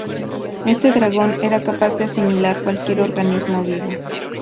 Este dragón era capaz de asimilar cualquier organismo vivo.